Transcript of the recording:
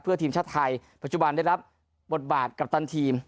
เพื่อทีมชาติไทยปัจจุบันได้รับบทบาทกัปตันทีม